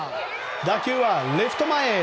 打球はレフト前へ。